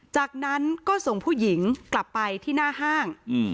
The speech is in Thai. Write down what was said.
จากนั้นก็ส่งผู้หญิงกลับไปที่หน้าห้าง